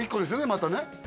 またね